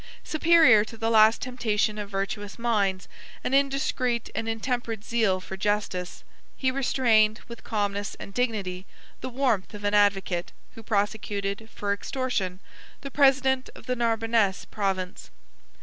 Superior to the last temptation of virtuous minds, an indiscreet and intemperate zeal for justice, he restrained, with calmness and dignity, the warmth of an advocate, who prosecuted, for extortion, the president of the Narbonnese province.